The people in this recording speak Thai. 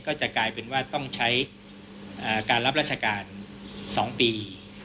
ก็จะกลายเป็นว่าต้องใช้การรับราชการ๒ปี